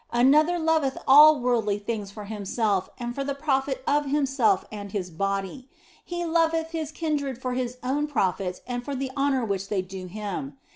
Another loveth all worldly things for himself and for the profit of himself and his body ; he loveth his kindred for his own profit and for the honour which they do him.